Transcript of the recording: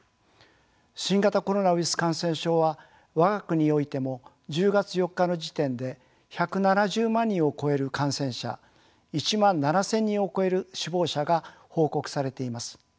新型コロナウイルス感染症は我が国においても１０月４日の時点で１７０万人を超える感染者１万７，０００人を超える死亡者が報告されています。